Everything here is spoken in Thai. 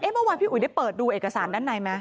เมื่อวานพี่อุ๋ยได้เปิดดูเอกสารด้านในไหม